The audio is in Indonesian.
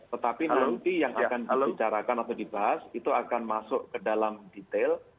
tetapi nanti yang akan dibicarakan atau dibahas itu akan masuk ke dalam detail